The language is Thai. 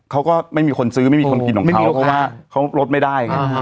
เขาก็ไม่มีคนซื้อไม่มีคนกินของเขาเพราะว่าเขาลดไม่ได้ไง